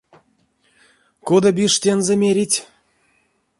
Кода, бишь, тензэ мерить?